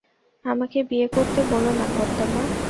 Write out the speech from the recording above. আমাকে বিয়ে করতে বোলো না, কর্তা-মা।